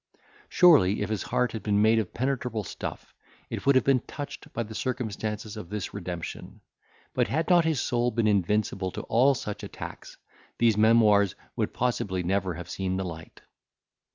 Surely, if his heart had been made of penetrable stuff, it would have been touched by the circumstances of this redemption; but had not his soul been invincible to all such attacks, these memoirs would possibly never have seen the light.